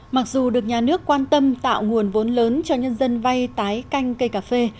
mặc dù được nhà nước quan tâm tạo nguồn vốn lớn cho nhân dân vay tái canh cây cà phê